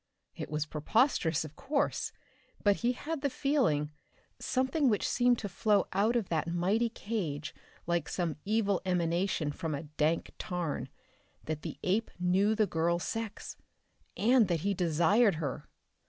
It was preposterous of course, but he had the feeling, something which seemed to flow out of that mighty cage like some evil emanation from a dank tarn, that the ape knew the girl's sex and that he desired her!